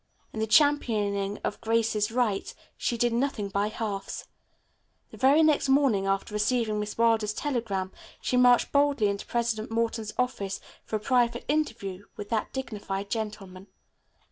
In the championing of Grace's rights she did nothing by halves. The very next morning after receiving Miss Wilder's telegram she marched boldly into President Morton's office for a private interview with that dignified gentleman.